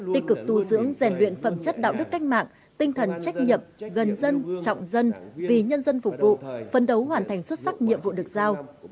tích cực tu dưỡng rèn luyện phẩm chất đạo đức cách mạng tinh thần trách nhiệm gần dân trọng dân vì nhân dân phục vụ phân đấu hoàn thành xuất sắc nhiệm vụ được giao